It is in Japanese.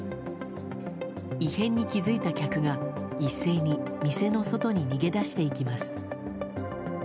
異変に気付いた客が一斉に店の外に逃げ出していきます。